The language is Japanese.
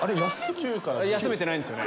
休めてないんですよね。